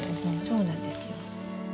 そうなんですよ。